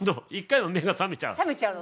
１回は目が覚めちゃう？